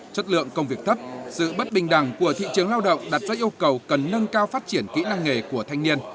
chất lượng công việc thấp sự bất bình đẳng của thị trường lao động đặt ra yêu cầu cần nâng cao phát triển kỹ năng nghề của thanh niên